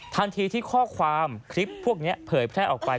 ทันทีที่ข้อความคลิปพวกนี้เผยแพร่ออกไป